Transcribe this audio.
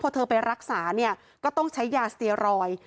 พอเธอไปรักษาเนี่ยก็ต้องใช้ยาสเตียรอยด์